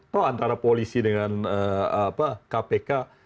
toh antara polisi dengan kpk